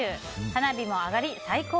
花火も上がり、最高。